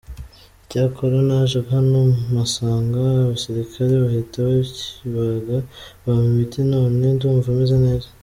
Icyakora naje hano mpasanga abasirikare bahita bakibaga bampa imiti none ndumva meze neza”.